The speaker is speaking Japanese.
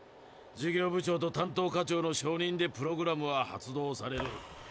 事業部長と担当課長の承認でプログラムは発動される。